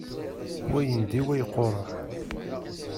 Wa yendi, wa iqureɛ.